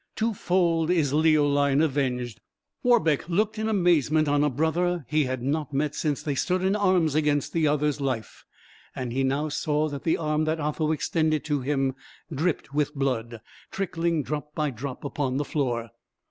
Twofold is Leoline avenged." Warbeck looked in amazement on a brother he had not met since they stood in arms each against the other's life, and he now saw that the arm that Otho extended to him dripped with blood, trickling drop by drop upon the floor.